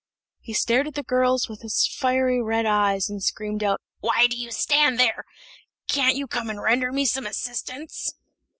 He stared at the girls with his fiery red eyes, and screamed out, "Why do you stand there! Can't you come and render me some assistance?"